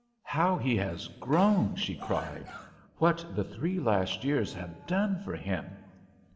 "How he has grown!" she cried. "What the three last years have done for him!